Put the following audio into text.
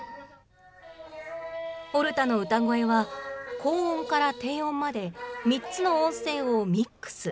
オルタの歌声は、高音から低音まで、３つの音声をミックス。